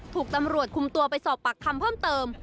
ถูกตำรวจคุมตัวไปสอบปากคำเพิ่มเติม